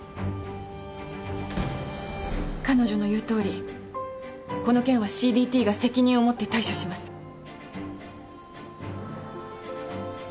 彼女の言うとおりこの件はＣＤＴが責任を持って対処します。